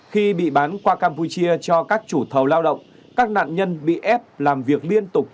khi bị bán qua campuchia cho các chủ thầu lao động các nạn nhân bị ép làm việc liên tục